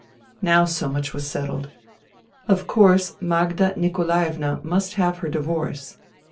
Now so much was settled. Of course, Magda Nikolaevna must have her divorce.